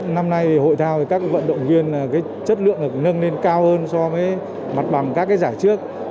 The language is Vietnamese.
năm nay hội thao các vận động viên chất lượng được nâng lên cao hơn so với mặt bằng các giải trước